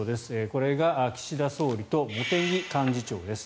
これが岸田総理と茂木幹事長です。